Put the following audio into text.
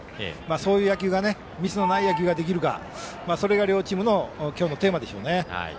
そういうミスのない野球ができるかそれが両チームの今日のテーマでしょうね。